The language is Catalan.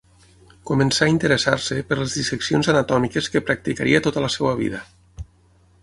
Començà a interessar-se per les disseccions anatòmiques que practicaria tota la seva vida.